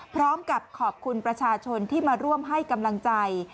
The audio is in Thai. พร้อมกับขอบคุณประชาชนที่มาร่วมให้กำลังใจ